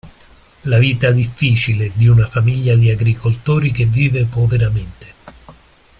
La vita difficile di una famiglia di agricoltori che vive poveramente.